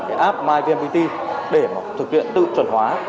cái app myvnpt để thực hiện tự chuẩn hóa